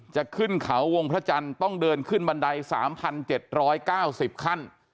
จะขึ้นเขาวงพระจันทร์ต้องเดินขึ้นบันได๓๗๙๐ขั้น